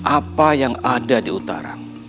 apa yang ada di utara